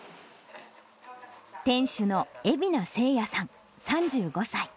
店主の蝦名聖也さん３５歳。